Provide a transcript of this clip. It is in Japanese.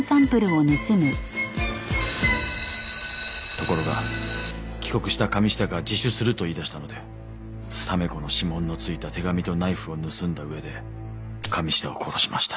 ところが帰国した神下が自首すると言い出したので試子の指紋の付いた手紙とナイフを盗んだ上で神下を殺しました。